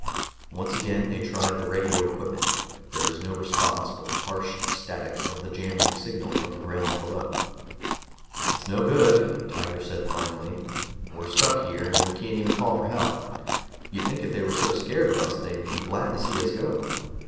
Once again they tried the radio equipment. There was no response but the harsh static of the jamming signal from the ground below. "It's no good," Tiger said finally. "We're stuck here, and we can't even call for help. You'd think if they were so scared of us they'd be glad to see us go."